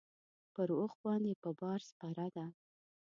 پر اوښ باندې په بار کې سپره ده.